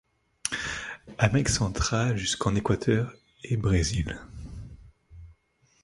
Amérique centrale jusqu'en Équateur et Brésil.